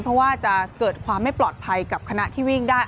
เพราะว่าจะเกิดความไม่ปลอดภัยกับคณะที่วิ่งได้